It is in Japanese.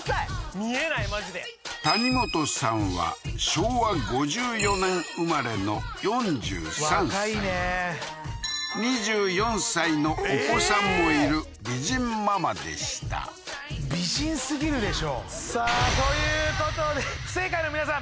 見えないマジで谷本さんは昭和５４年生まれの２４歳のお子さんもいる美人ママでした美人すぎるでしょさあということで不正解の皆さん